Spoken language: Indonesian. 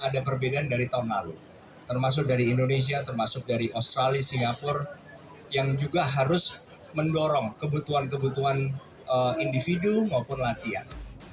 ada perbedaan dari tahun lalu termasuk dari indonesia termasuk dari australia singapura yang juga harus mendorong kebutuhan kebutuhan individu maupun latihan